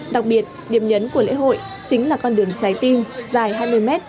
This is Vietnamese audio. đặc biệt điểm nhấn của lễ hội chính là con đường trái tim dài hai mươi mét